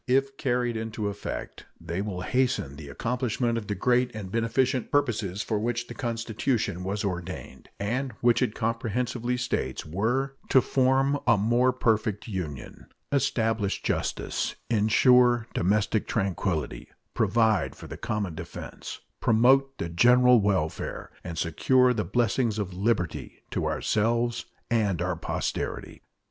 If carried into effect, they will hasten the accomplishment of the great and beneficent purposes for which the Constitution was ordained, and which it comprehensively states were "to form a more perfect Union, establish justice, insure domestic tranquillity, provide for the common defense, promote the general welfare, and secure the blessings of liberty to ourselves and our posterity."